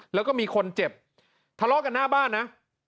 แล้วก็มีคนเจ็บทะเลาะกันหน้าบ้านนะ